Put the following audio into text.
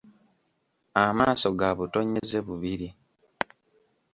Amaaso ga butonyeze bubiri.